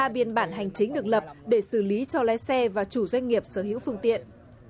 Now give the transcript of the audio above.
một mươi biên bản hành chính được lập để xử lý cho lái xe và chủ doanh nghiệp sở hữu phương tiện